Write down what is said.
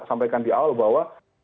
sampaikan di awal bahwa